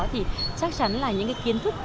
thì chắc chắn là những kiến thức